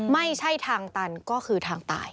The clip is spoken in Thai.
ไม่ใช่ทางตันก็คือทางตาย